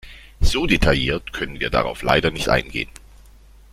So detailliert können wir darauf leider nicht eingehen.